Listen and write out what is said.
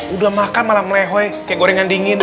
udah makan malam lehoi kayak gorengan dingin